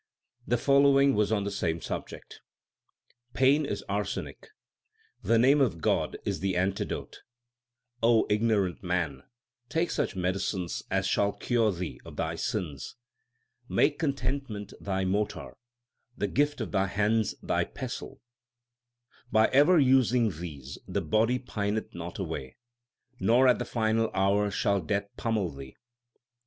2 The following was on the same subject : Pain is arsenic, the name of God is the antidote. ignorant man, take such medicines As shall cure thee of thy sins. Make contentment thy mortar, the gift of thy hands thy pestle : By ever using these the body pineth not away, Nor at the final hour shall Death pommel thee.